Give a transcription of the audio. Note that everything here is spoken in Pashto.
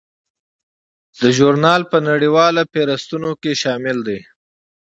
دا ژورنال په نړیوالو فهرستونو کې شامل دی.